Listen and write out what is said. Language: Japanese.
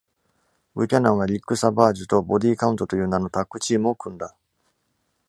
ブキャナンはリック・サバージュと「ボディ・カウント」と言う名のタッグチームを組んだ。